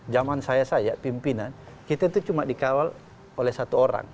zaman saya saya pimpinan kita itu cuma dikawal oleh satu orang